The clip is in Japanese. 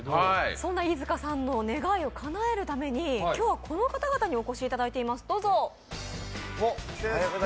そんな飯塚さんの願いをかなえるために今日はこの方々にお越しいただいています、どうぞ。